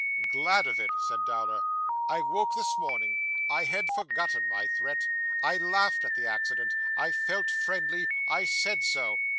'Glad of it,' said Dowler. 'I woke this morning. I had forgotten my threat. I laughed at the accident. I felt friendly. I said so.